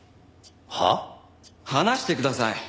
話してください。